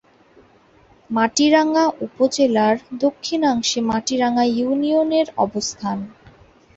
মাটিরাঙ্গা উপজেলার দক্ষিণাংশে মাটিরাঙ্গা ইউনিয়নের অবস্থান।